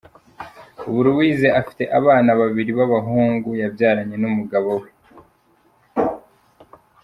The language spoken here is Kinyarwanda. Ubu Louise afite abana babiri b'abahungu yabyaranye n'umugabo we.